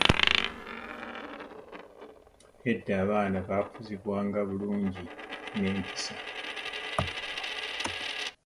Edda ennyo abaana bakuzibwa nga bulungi ne mpisa.